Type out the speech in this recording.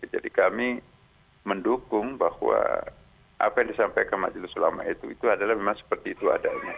jadi kami mendukung bahwa apa yang disampaikan majlis ulama itu itu adalah memang seperti itu adanya